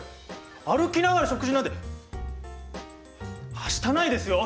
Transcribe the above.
歩きながら食事なんてはしたないですよ！